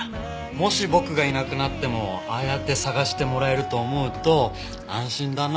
もし僕がいなくなってもああやって捜してもらえると思うと安心だな。